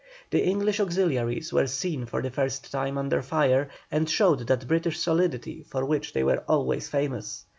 The English auxiliaries were seen for the first time under fire, and showed that British solidity for which they were always famous.